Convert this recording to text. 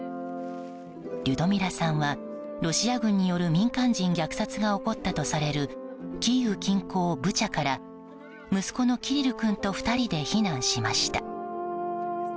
リュドミラさんはロシア軍による民間人虐殺が起こったとされるキーウ近郊ブチャから息子のキリル君と２人で避難しました。